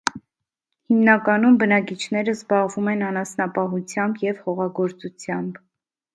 Հիմնականում բնակիչները զբաղվում են անասնապահությամբ և հողագործությամբ։